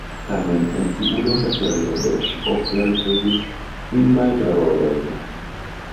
Tamen en tiu longa periodo ŝi ofte ricevis filmajn rolojn.